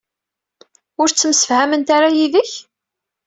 Ur ttemsefhament ara yid-k?